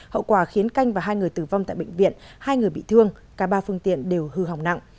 hậu quả khiến canh và hai người tử vong tại bệnh viện hai người bị thương cả ba phương tiện đều hư hỏng nặng